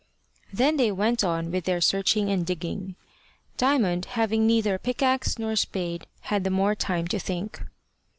Then they went on with their searching and digging. Diamond having neither pickaxe nor spade, had the more time to think.